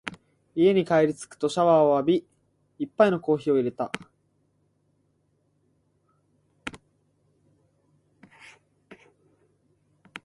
家に帰りつくとシャワーを浴び、一杯のコーヒーを淹れた。